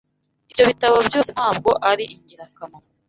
Ibyo bitabo byose ntabwo ari ingirakamaro.